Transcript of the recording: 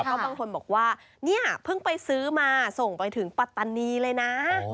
ก็บางคนบอกว่าเนี่ยเพิ่งไปซื้อมาส่งไปถึงปัตตานีเลยนะ